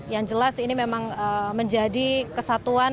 yang jelas ini memang menjadi kesatuan